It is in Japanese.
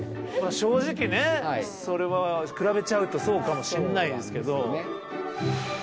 正直ねそれは比べちゃうとそうかもしんないですけど。